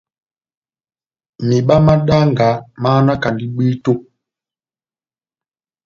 Mihiba má danga máhanakandi bwíto.